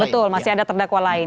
betul masih ada terdakwa lain